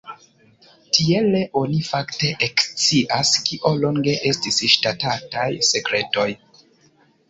Tiele oni fakte ekscias, kio longe estis ŝtataj sekretoj.